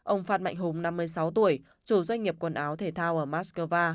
ông phan mạnh hùng năm mươi sáu tuổi chủ doanh nghiệp quần áo thể thao ở moscow